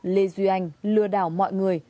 lê duy anh lừa đảo mọi người